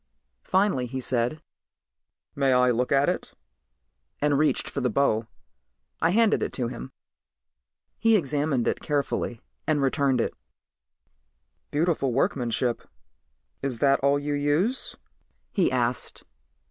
Finally he said, "May I look at it?" and reached for the bow. I handed it to him. He examined it carefully and returned it. "Beautiful workmanship. Is that all you use?" he asked.